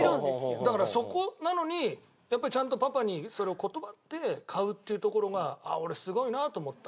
だからそこなのにちゃんとパパにそれを断って買うっていうところが俺すごいなと思った。